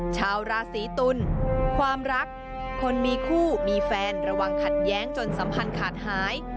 ชาวราศีตุลความรักคนมีคู่มีแฟนระวังขัดแย้งจนสัมพันธ์ขาดหาย